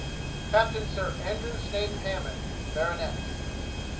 Capt. Sir Andrew Snape Hamond, Bart.